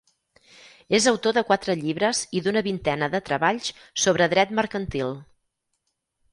És autor de quatre llibres i d'una vintena de treballs sobre dret mercantil.